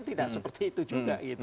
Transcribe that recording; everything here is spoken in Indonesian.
tidak seperti itu juga